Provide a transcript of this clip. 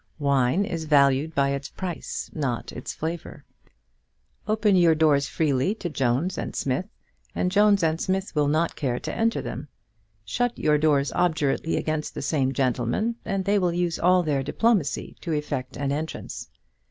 Wine is valued by its price, not its flavour. Open your doors freely to Jones and Smith, and Jones and Smith will not care to enter them. Shut your doors obdurately against the same gentlemen, and they will use all their little diplomacy to effect an entrance.